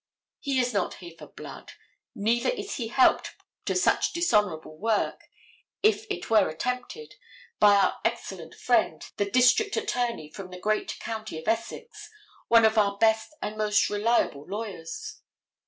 He is not here for blood, neither is he helped to such dishonorable work, if it were attempted, by our excellent friend, the district attorney from the great county of Essex, one of our best and most reliable lawyers.